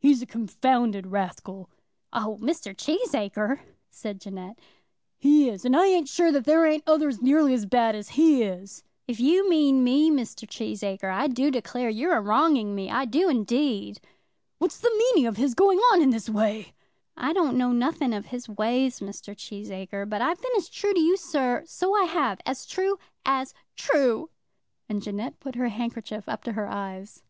"He's a confounded rascal." "Oh, Mr. Cheesacre!" said Jeannette. "He is; and I ain't sure that there ain't others nearly as bad as he is." "If you mean me, Mr. Cheesacre, I do declare you're a wronging me; I do indeed." "What's the meaning of his going on in this way?" "I don't know nothing of his ways, Mr. Cheesacre; but I've been as true to you, sir; so I have; as true as true." And Jeannette put her handkerchief up to her eyes.